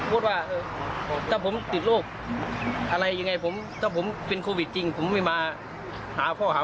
ก็เกือบ๘๔วันที่เดือนสิงหาที่พันปีที่แล้วครับ